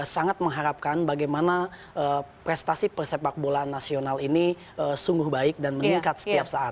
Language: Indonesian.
sangat mengharapkan bagaimana prestasi persepak bola nasional ini sungguh baik dan meningkat setiap saat